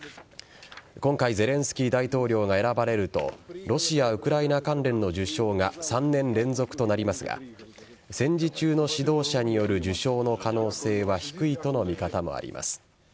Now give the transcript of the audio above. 今回ゼレンスキー大統領が選ばれるとロシア・ウクライナ関連の受賞が３年連続となりますが戦時中の指導者による受賞の可能性は低いとの見方もあります。